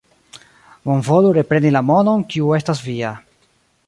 Bonvolu repreni la monon, kiu estas via.